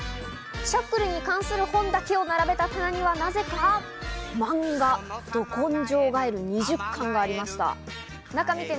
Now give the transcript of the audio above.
しゃっくりに関する本だけを並べた棚にはなぜか、漫画『ど根性ガエル』２０巻がありました。